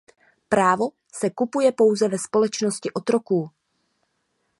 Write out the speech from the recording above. Právo se kupuje pouze ve společnosti otroků.